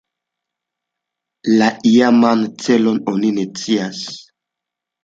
La iaman celon oni ne scias.